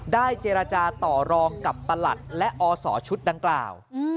เจรจาต่อรองกับประหลัดและอศชุดดังกล่าว